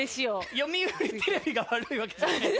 読売テレビが悪いわけじゃないです。